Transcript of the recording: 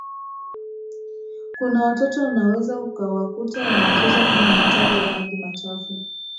kuna watoto unaweza ukawakuta wanacheza kwenye mitaro ya maji machafu